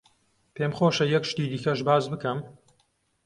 پێم خۆشە یەک شتی دیکەش باس بکەم.